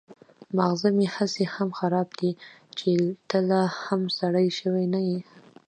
ماغزه مې هسې هم خراب دي چې ته لا هم سړی شوی نه يې.